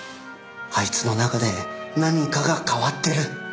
あいつの中で何かが変わってる。